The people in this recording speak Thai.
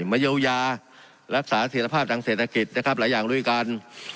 มะเยียวยารักษาสิทธิภาพทางเศรษฐกิจหลายอย่างร่วมด้วยกัน